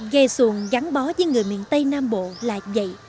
ghe xuồng gắn bó với người miền tây nam bộ là vậy